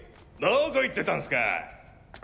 どこ行ってたんですか？